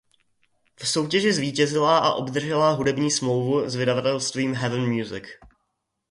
V soutěži zvítězila a obdržela hudební smlouvu s vydavatelstvím Heaven Music.